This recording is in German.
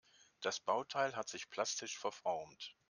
Das Bauteil hat sich plastisch verformt.